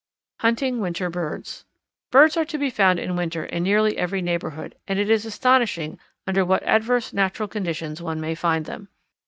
Hunting Winter Birds. Birds are to be found in winter in nearly every neighbourhood, and it is astonishing under what adverse natural conditions one may find them.